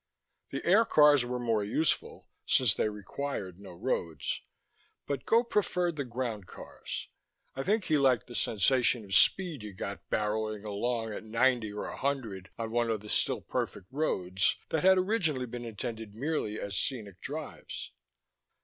The air cars were more useful, since they required no roads, but Gope preferred the ground cars. I think he liked the sensation of speed you got barrelling along a ninety or a hundred on one of the still perfect roads that had originally been intended merely as scenic drives.